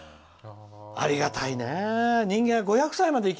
ありがたいね。